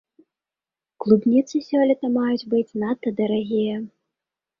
Клубніцы сёлета маюць быць надта дарагія.